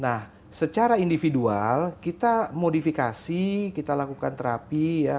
nah secara individual kita modifikasi kita lakukan terapi ya